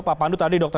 pak pandu tadi dokter